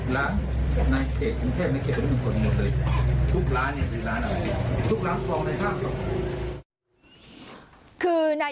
ซักเท่ากันเต็มมาก